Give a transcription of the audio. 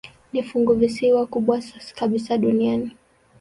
Ni funguvisiwa kubwa kabisa duniani.